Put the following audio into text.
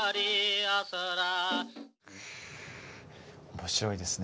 面白いですね。